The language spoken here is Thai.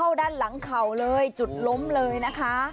ด้านหลังเข่าเลยจุดล้มเลยนะคะ